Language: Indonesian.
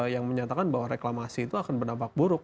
yang menyatakan bahwa reklamasi itu akan berdampak buruk